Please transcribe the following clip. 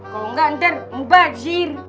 kalau nggak ntar mubah zir